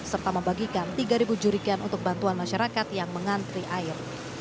serta membagikan tiga jurikian untuk bantuan masyarakat yang mengantri air